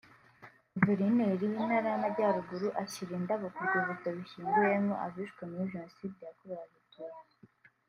Guverineri w’Intara y’Amajyaruguru ashyira indabo ku rwibutso rushyinguyemo abishwe muri Jenoside yakorewe Abatutsi